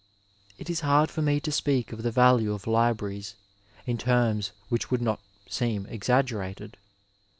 It is hard for me to speak of the value of libraries in terms which would not seem exaggerated.